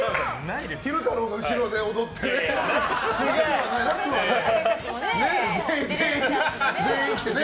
昼太郎が後ろで踊ってね。